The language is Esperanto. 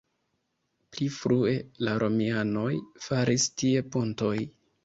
Pli frue la romianoj faris tie ponton.